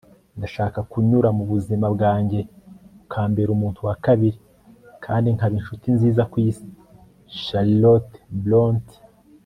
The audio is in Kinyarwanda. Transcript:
ndagusaba kunyura mu buzima bwanjye - ukambera umuntu wa kabiri, kandi nkaba inshuti nziza ku isi. - charlotte brontë